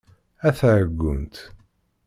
A taɛeggunt!